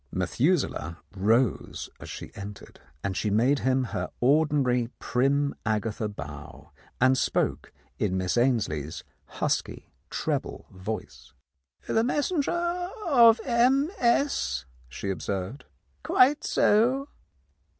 Methu selah rose as she entered, and she made him her ordinary prim Agatha bow, and spoke in Miss Ainslie's husky treble voice. "The messenger of M. S.," she observed. "Quite so."